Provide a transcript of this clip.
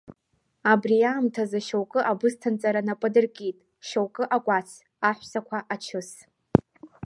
Абри аамҭазы шьоукы абысҭанҵара нап адыркит, шьоукы акәац, аҳәсақәа ачыс!